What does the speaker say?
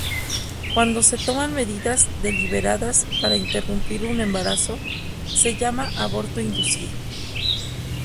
Cuando se toman medidas deliberadas para interrumpir un embarazo, se llama aborto inducido.